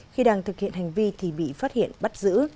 khi đang thực hiện hành vi thì bị phát hiện bắt giữ